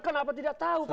kenapa tidak tahu